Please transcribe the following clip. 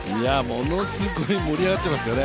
ものすごい盛り上がっていますよね。